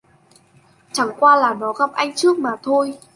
Chẳng qua là nó gặp anh trước mà thôi